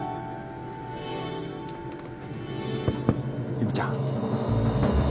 由美ちゃん。